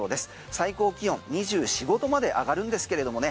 最高気温２４２５度まで上がるんですけれどもね